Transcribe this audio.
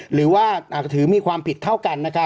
หรือถือมีความผิดเท่ากัน